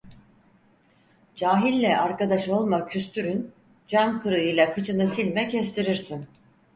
Cahille arkadaş olma küstürün, cam kırığıyla kıçını silme kestirirsin.